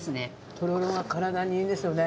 とろろは体にいいんですよね。